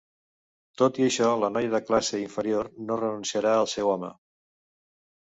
Tot i això, la noia de classe inferior no renunciarà al seu home.